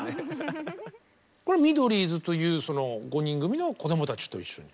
これはミドリーズというその５人組の子どもたちと一緒に。